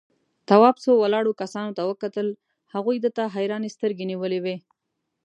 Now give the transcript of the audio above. تواب څو ولاړو کسانو ته وکتل، هغوی ده ته حيرانې سترگې نيولې وې.